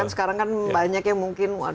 sekarang kan banyak yang mungkin